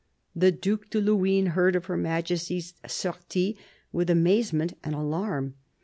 The Due de Luynes heard of Her Majesty's "sortie" with amazement and alarm.